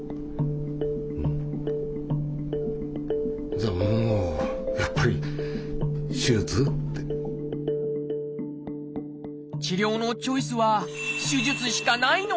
じゃあもう治療のチョイスは手術しかないの？